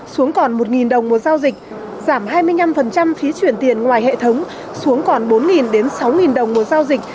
xuống còn một đồng một giao dịch giảm hai mươi năm phí chuyển tiền ngoài hệ thống xuống còn bốn sáu đồng một giao dịch